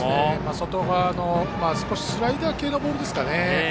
外側の少しスライダー系のボールですかね。